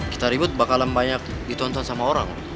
kita ribut bakalan banyak ditonton sama orang